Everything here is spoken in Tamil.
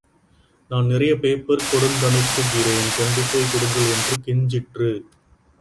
நான் நிறைய பேப்பர் கொடுந்தனுப்புகிறேன், கொண்டு போய்க் கொடுங்கள் என்று கெஞ்சிற்று.